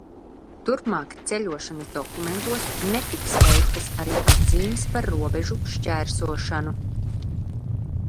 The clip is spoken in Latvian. Turpmāk ceļošanas dokumentos netiks veiktas arī atzīmes par robežu šķērsošanu.